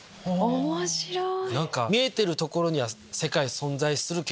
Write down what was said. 面白い！